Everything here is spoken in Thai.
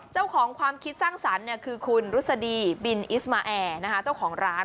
เจ้าของความคิดสร้างสรรค์คือคุณรุษดีบินอิสมาแอร์เจ้าของร้าน